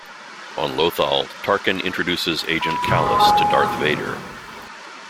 On Lothal, Tarkin introduces Agent Kallus to Darth Vader.